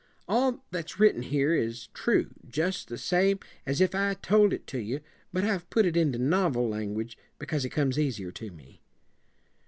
All that's written here is true, jus' the same as if I told it to you, but I've put it into novel language because it comes easier to me."